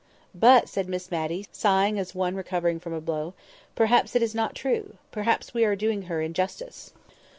"But," said Miss Matty, sighing as one recovering from a blow, "perhaps it is not true. Perhaps we are doing her injustice."